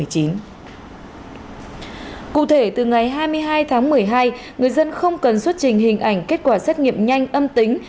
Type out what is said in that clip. cụ thể từ ngày hai mươi hai tháng một mươi hai người dân không cần xuất trình hình ảnh kết quả xét nghiệm nhanh âm tính